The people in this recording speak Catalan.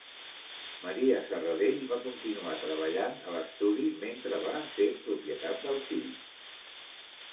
Maria Serradell va continuar treballant a l'estudi mentre va ser propietat del fill.